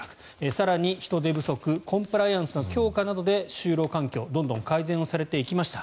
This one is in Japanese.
更に、人手不足コンプライアンスの強化などで就労環境どんどん改善されていきました。